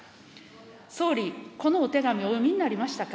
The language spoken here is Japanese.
総理、このお手紙、お読みになりましたか。